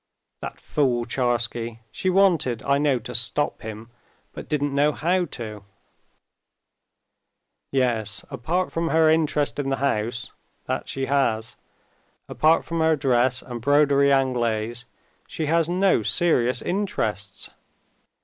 ("That fool Tcharsky: she wanted, I know, to stop him, but didn't know how to.") "Yes, apart from her interest in the house (that she has), apart from dress and broderie anglaise, she has no serious interests.